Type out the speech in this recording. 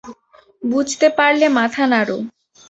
বুঝতে পারলে মাথা নাড়ো।